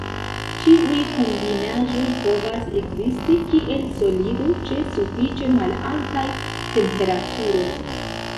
Ĉiuj kombinaĵoj povas ekzisti kiel solido, ĉe sufiĉe malaltaj temperaturoj.